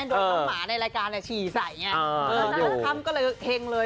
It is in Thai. ของหมาในรายการฉี่สายจุดแรงหงดเลย